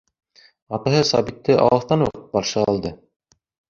Атаһы Сабитты алыҫтан уҡ ҡаршы алды.